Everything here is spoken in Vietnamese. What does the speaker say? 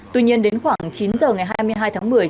tuy nhiên đến khoảng chín giờ ngày hai mươi hai tháng một mươi